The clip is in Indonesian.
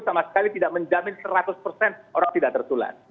sama sekali tidak menjamin seratus persen orang tidak tertular